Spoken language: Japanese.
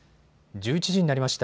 １１時になりました。